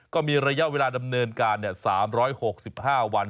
ก็มีระยะเวลาดำเนินการ๓๖๕วัน